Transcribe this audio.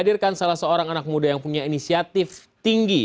sebagai seorang anak muda yang punya inisiatif tinggi